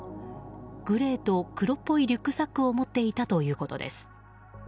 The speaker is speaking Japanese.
グレーと黒っぽいリュックサックを持っていたということです。